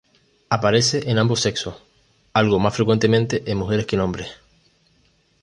Aparece en ambos sexos, algo más frecuentemente en mujeres que en hombres.